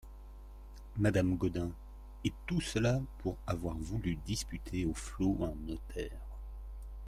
Madame Gaudin Et tout cela pour avoir voulu disputer aux flots un notaire !